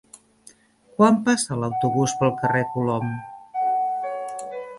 Quan passa l'autobús pel carrer Colom?